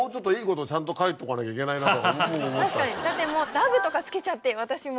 だってもう「ＬＯＶＥ」とか付けちゃって私も。